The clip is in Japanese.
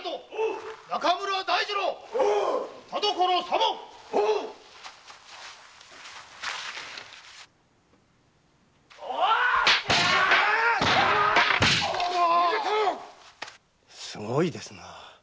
見事すごいですな。